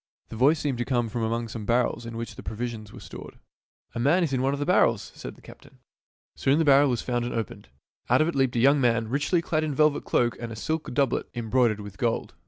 " The voice seemed to come from among some barrels in which pro visions were stored. " A man is in one of the barrels," said the captain. Soon the barrel was found and opened. Out of it leaped a young man, richly clad in a velvet cloak and a silk doublet embroidered with gold.